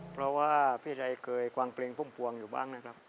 เพราะว่าพี่ชัยเคยกวางเพลงพุ่มพวงอยู่บ้างนะครับ